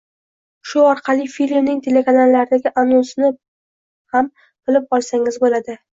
Shu orqali filmning telekanallardagi anonsini ham bilib olsangiz bo‘ladi!